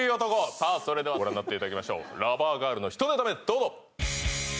さあそれではご覧になっていただきましょうラバーガールの１ネタ目どうぞ！